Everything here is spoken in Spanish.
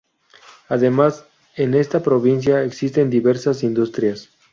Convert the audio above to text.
Además, en esta provincia existen diversas industrias.